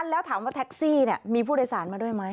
แล้วถามว่าแท็กซี่มีผู้โดยสารมาด้วยไหม